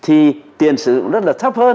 thì tiền sử dụng đất là thấp hơn